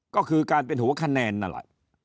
ก็คือการเป็นหัวคะแนนลับ